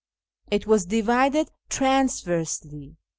It was divided transversely {i.